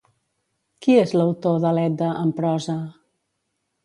Qui és l'autor de l'Edda en prosa?